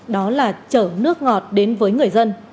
đó là trở nước ngọt đến với người dân